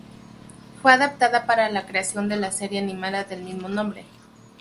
Fue adaptada para la creación de la serie animada del mismo nombre.